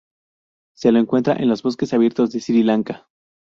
Se lo encuentra en bosques abiertos de Sri Lanka.